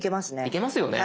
いけますよね。